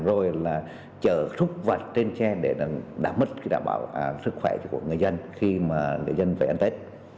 rồi là chở rút vật trên xe để đảm bảo sức khỏe của người dân khi mà người dân về ăn tết